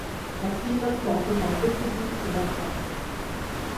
Vaccinets status har successivt förbättrats.